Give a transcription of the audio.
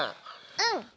うん！